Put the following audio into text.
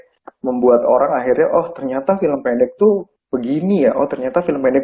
yang membuat orang akhirnya oh ternyata film pendek tuh begini ya oh ternyata film pendek